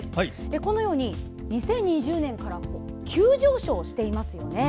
このように２０２０年から急上昇をしています。